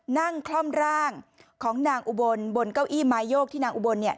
คล่อมร่างของนางอุบลบนเก้าอี้ไม้โยกที่นางอุบลเนี่ย